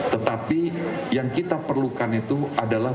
tetapi yang kita perlukan itu adalah